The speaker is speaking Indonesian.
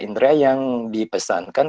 indera yang dipesankan